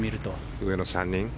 上の３人？